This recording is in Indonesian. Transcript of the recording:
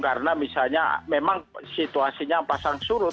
karena misalnya memang situasinya pasang surut